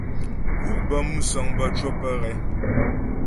Gǔ' bə́ músəŋ bə́ cwə́ pə́ ghɛ.